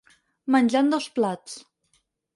Menjar en dos plats.